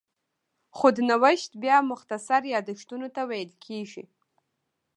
خود نوشت بیا مختصر یادښتونو ته ویل کېږي.